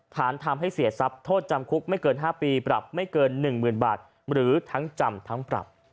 ฐานทำให้เสียทรัพย์โทษจำคุกไม่เกิน๕ปีปรับไม่เกิน๑๐๐๐บาทหรือทั้งจำทั้งปรับ